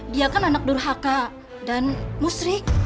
dia kan anak durhaka dan musri